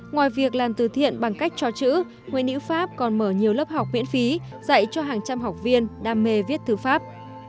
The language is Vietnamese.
ngoài việc làm từ thiện bằng cách cho chữ nguyễn nữ pháp còn mở nhiều lớp học miễn phí dạy cho hàng trăm học viên đam mê viết thư pháp